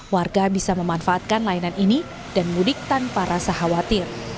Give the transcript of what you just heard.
warga bisa memanfaatkan layanan ini dan mudik tanpa rasa khawatir